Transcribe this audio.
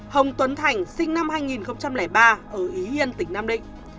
hồng tuấn thành sinh năm hai nghìn ba ở ý hiên tỉnh nam định